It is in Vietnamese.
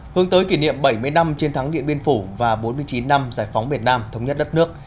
hướng tới kỷ niệm bảy mươi năm chiến thắng điện biên phủ và bốn mươi chín năm giải phóng việt nam thống nhất đất nước